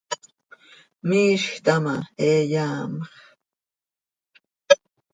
Miizj taa ma, he iyaamx.